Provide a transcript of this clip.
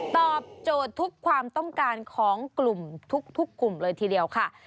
ตอบโจทย์ทุกความต้องการของกลุ่มทุกกลุ่มเลยทีเดียวค่ะ